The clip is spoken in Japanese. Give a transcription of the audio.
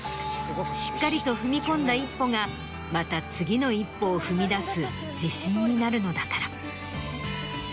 しっかりと踏み込んだ一歩がまた次の一歩を踏み出す自信になるのだから。